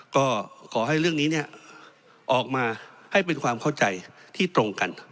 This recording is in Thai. ก็ขอให้เรื่องนี้ออกมาให้เป็นความเข้าใจที่ตรงกัน